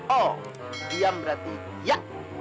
oh diam berarti ya